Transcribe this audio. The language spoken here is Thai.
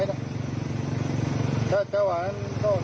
ตบนี่ไงดูสภาพสิ